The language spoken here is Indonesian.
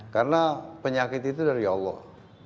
karena penyakit itu dari allah